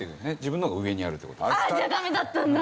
じゃあダメだったんだ！